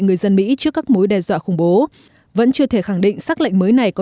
người dân mỹ trước các mối đe dọa khủng bố vẫn chưa thể khẳng định xác lệnh mới này có